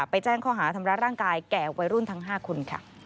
แจ้งข้อหาทำร้ายร่างกายแก่วัยรุ่นทั้ง๕คน